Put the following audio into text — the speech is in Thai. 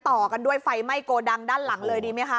ต่อกันด้วยไฟไหม้โกดังด้านหลังเลยดีไหมคะ